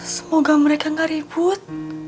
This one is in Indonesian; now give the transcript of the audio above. semoga mereka gak ribut